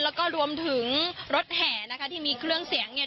และรวมถึงรถแห่นที่มีเครื่องเสียงเดินทาง